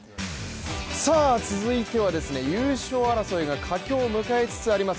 さあ続いてはですね優勝争いが佳境を迎えつつあります